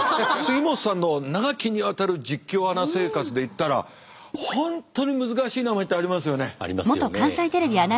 杉本さんの長きにわたる実況アナ生活で言ったら本当に難しい名前ってありますよね。ありますよね。